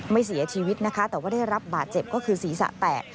เสียชีวิตนะคะแต่ว่าได้รับบาดเจ็บก็คือศีรษะแตก